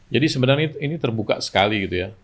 jadi sebenarnya ini terbuka sekali gitu ya